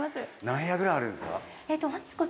何部屋ぐらいあるんですか？